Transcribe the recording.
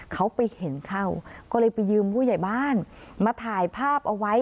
เขาไปเห็นเข้าก็เลยไปยืมผู้ใหญ่บ้านมาถ่ายภาพเอาไว้